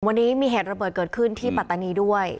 วันนี้มีเหตุระเบิดเกิดขึ้นที่ปัตตานีด้วย